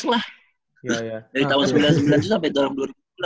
dari tahun sembilan puluh sembilan sampai tahun dua ribu delapan belas